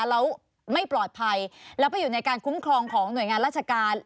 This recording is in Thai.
แล้วไม่ปลอดภัยแล้วไปอยู่ในการคุ้มครองของหน่วยงานราชการ